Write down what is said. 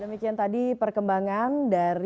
dari pelajaran yang diberikan oleh pak karo